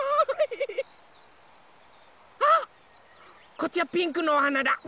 こっちはピンクのおはなだ！